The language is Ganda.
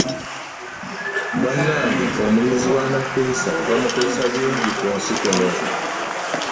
Bannange, omunyizi w'amapeesa bamukozesa bingi ku nsi kuno.